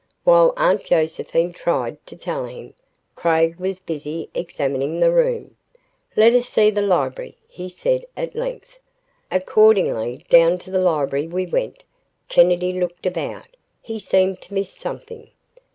While Aunt Josephine tried to tell him, Craig was busy examining the room. "Let us see the library," he said at length. Accordingly down to the library we went. Kennedy looked about. He seemed to miss something.